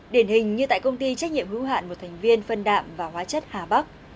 điển hình như tại công ty trách nhiệm hữu hạn một thành viên phân đạm và hóa chất hà bắc